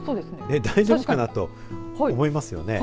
大丈夫かなと思いますよね。